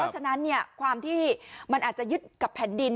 ฉะนั้นความที่มันอาจจะยึดกับแผ่นดิน